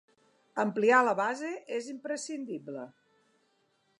Ampliar la base és imprescindible.